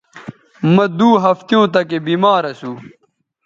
مہ دو ہفتیوں تکے بیمار اسو